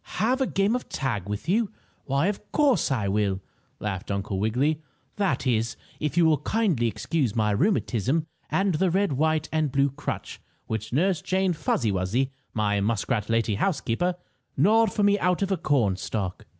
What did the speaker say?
"Have a game of tag with you? Why, of course, I will!" laughed Uncle Wiggily. "That is, if you will kindly excuse my rheumatism, and the red, white and blue crutch which Nurse Jane Fuzzy Wuzzy, my muskrat lady housekeeper, gnawed for me out of a cornstalk."